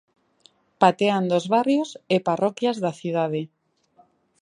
Pateando os barrios e parroquias da cidade.